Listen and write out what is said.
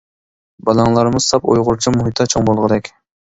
بالاڭلارمۇ ساپ ئۇيغۇرچە مۇھىتتا چوڭ بولغۇدەك.